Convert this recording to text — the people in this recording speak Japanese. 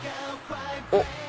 おっ！